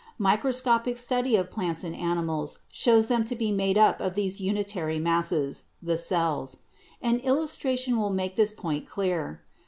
Microscopic study of plants and animals shows them to be made up of these unitary masses — the cells. An illustration will make this point clear.